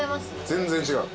全然違う。